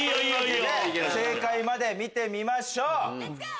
正解まで見てみましょう。